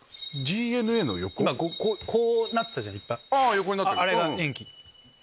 こうなってたじゃないいっぱいあれが塩基。